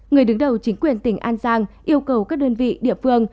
người đứng đầu chính quyền tỉnh an giang yêu cầu các đơn vị địa phương